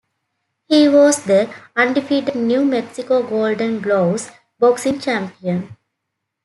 He was the undefeated New Mexico Golden Gloves Boxing Champion.